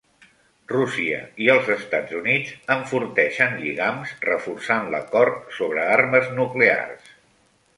Rússia i els Estats Units enforteixen lligams reforçant l'acord sobre armes nuclears